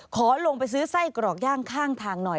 ขอลงไปซื้อไส้กรอกย่างข้างทางหน่อย